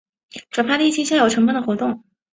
转发第一期校友承办的活动